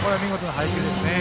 見事な配球ですね。